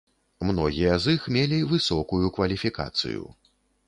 Многія з іх мелі высокую кваліфікацыю.